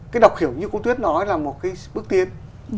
cái đọc hiểu như cô tuyết nói là một cái bước tiến